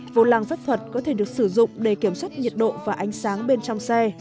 vô làng vất vật có thể được sử dụng để kiểm soát nhiệt độ và ánh sáng bên trong xe